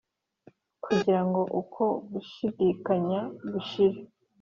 kugira ngo uko gushidikanya gushire